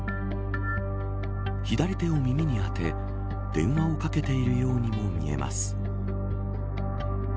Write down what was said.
左手を耳にあて電話をかけているようにも見えます。